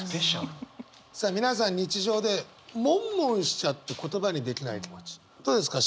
さあ皆さん日常で悶悶しちゃって言葉にできない気持ちどうですか？